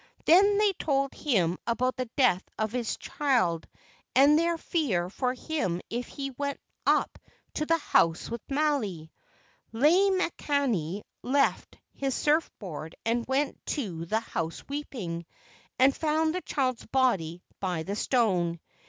Then they told him about the death of his child and their fear for him if he went up to the house with Maile. Lei makani left his surf board and went to the house weeping, and found the child's body by the stone.